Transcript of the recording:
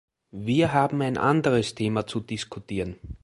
Wir haben ein anderes Thema zu diskutieren.